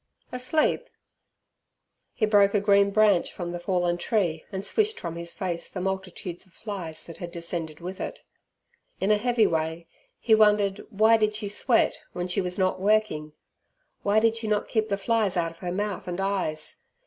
Asleep?" He broke a green branch from the fallen tree and swished from his face the multitudes of flies that had descended with it. In a heavy way he wondered why did she sweat, when she was not working? Why did she not keep the flies out of her mouth and eyes?